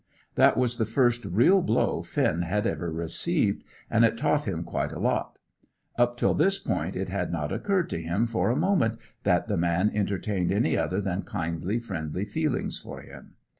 That was the first real blow Finn had ever received, and it taught him quite a lot. Up till this point it had not occurred to him for a moment that the man entertained any other than kindly, friendly feelings for him.